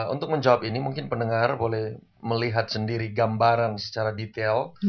untuk menjawab ini mungkin pendengar boleh melihat sendiri gambaran secara detail